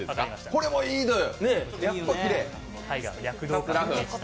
これもいいのよ。